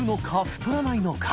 太らないのか？